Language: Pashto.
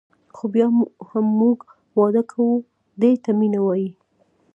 خو بیا هم موږ واده کوو دې ته مینه وايي.